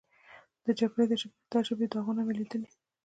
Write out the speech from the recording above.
د جګړې د ژبې داغونه مې لیدلي دي.